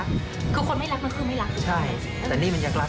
เคยไม่รัก